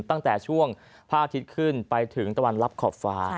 ตั้งแต่ช่วงพระอาทิตย์ขึ้นไปถึงตะวันรับขอบฟ้า